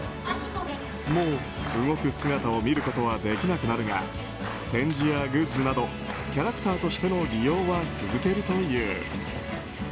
もう動く姿を見ることはできなくなるが展示やグッズなどのキャラクターとしての利用は続けるという。